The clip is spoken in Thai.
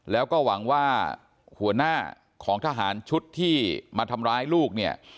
แล้วก็หวังว่าหัวหน้าของทหารชุดที่มาทำร้ายลูกเนี่ย